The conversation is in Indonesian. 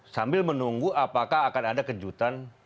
sambil menunggu apakah akan ada kejutan